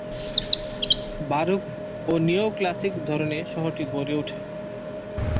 Baroque ও neoclassic ধরনে শহরটি গড়ে উঠে।